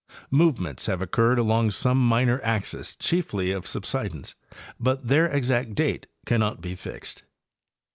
Movements have occurred along some minor axes chiefly of subsidence, but their exact date cannot be fixed.